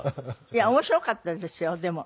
いや面白かったですよでも。